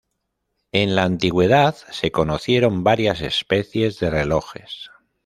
En la antigüedad se conocieron varias especies de relojes.